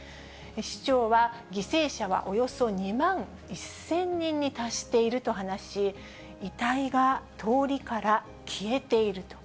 市長は、犠牲者はおよそ２万１０００人に達していると話し、遺体が通りから消えていると。